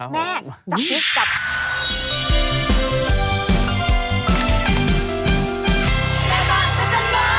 แม่จับหรือจับ